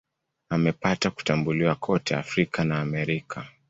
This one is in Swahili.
Amepata kutambuliwa kote Afrika na Amerika.